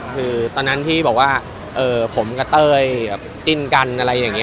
คือตอนนั้นที่บอกว่าผมกับเต้ยจิ้นกันอะไรอย่างนี้